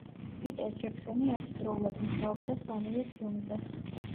პიტერ ჯექსონი ერთდროულად მუშაობდა სამივე ფილმზე.